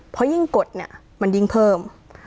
เพราะยิ่งกดเนี่ยมันยิ่งเพิ่ม